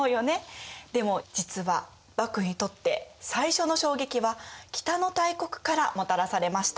でも実は幕府にとって最初の衝撃は北の大国からもたらされました。